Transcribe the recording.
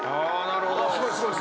なるほど。